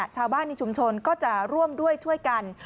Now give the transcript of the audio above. ชาวบ้านในชุมชนก็จะร่วมด้วยช่วยกัน